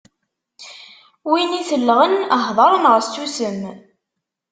Win itellɣen, hdeṛ neɣ ssusem.